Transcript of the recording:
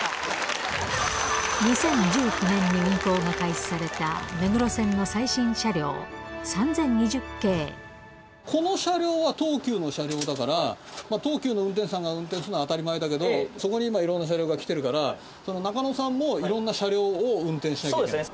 ２０１９年に運行が開始された、この車両は東急の車両だから、東急の運転士さんが運転するのは当たり前だけど、そこに今、いろんな車両が来てるから、中野さんもいろんな車両を運転しそうですね。